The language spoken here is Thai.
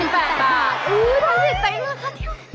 ๔๘บาท